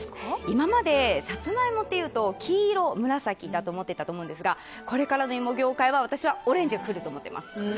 今までサツマイモというと黄色、紫だと思っていたと思うんですがこれからの芋業界は私はオレンジが来ると思います。